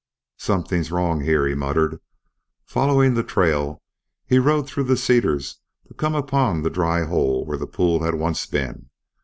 "Something wrong here," he muttered. Following the trail, he rode through the cedars to come upon the dry hole where the pool had once been.